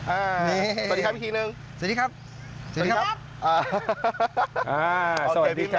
อ่าสวัสดีครับพี่คีย์นึงสวัสดีครับสวัสดีครับอ่าสวัสดีครับ